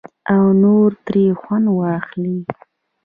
او نور ترې خوند واخلي.